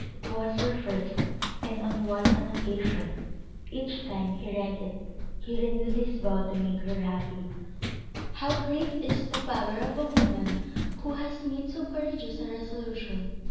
It was her first, and on what an occasion! Each time he read it he renewed his vow to make her happy. How great is the power of a woman who has made so courageous a resolution!